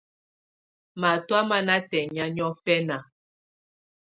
Matɔ̀á má ná tɛŋɛ̀á niɔfɛna.